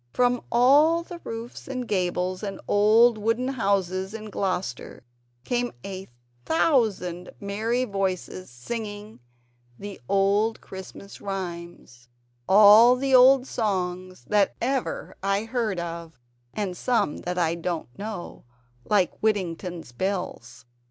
From all the roofs and gables and old wooden houses in Gloucester came a thousand merry voices singing the old Christmas rhymes all the old songs that ever I heard of, and some that I don't know, like Whittington's bells.